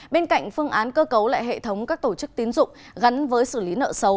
bên cạnh phương án cơ cấu lại hệ thống các tổ chức tín dụng gắn với xử lý nợ xấu